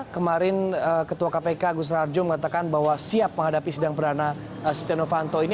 kemarin ketua kpk agus rarjo mengatakan bahwa siap menghadapi sidang perdana setia novanto ini